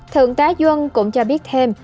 thượng tá duân cũng cho biết thêm